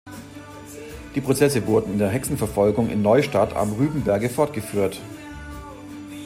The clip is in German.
Die Prozesse wurden in der Hexenverfolgung in Neustadt am Rübenberge fortgeführt.